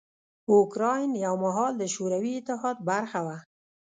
اوکراین یو مهال د شوروي اتحاد برخه وه.